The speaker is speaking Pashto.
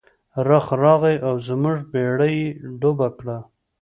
رخ راغی او زموږ بیړۍ یې ډوبه کړه.